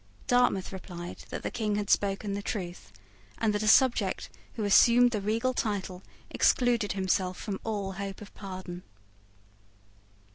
Dartmouth replied that the King had spoken the truth, and that a subject who assumed the regal title excluded himself from all hope of pardon.